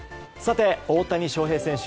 大谷翔平選手